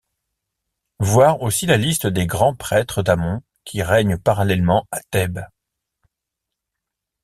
Voir aussi la liste des Grands prêtres d'Amon qui règnent parallèlement à Thèbes.